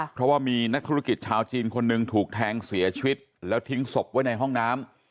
เพราะว่ามีนักธุรกิจชาวจีนคนหนึ่งถูกแทงเสียชีวิตแล้วทิ้งศพไว้ในห้องน้ำ